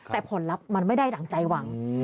แต่ผลลัพธ์มันไม่ได้ดั่งใจหวัง